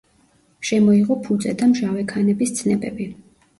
შემოიღო ფუძე და მჟავე ქანების ცნებები.